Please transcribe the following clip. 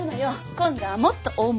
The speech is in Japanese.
今度はもっと大物。